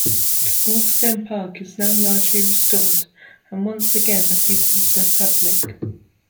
Hawkstone Park is now largely restored, and once again open to the public.